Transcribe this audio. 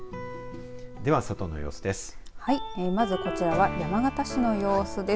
では、外の様子です。